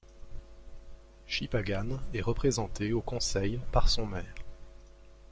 Shippagan est représenté au conseil par son maire.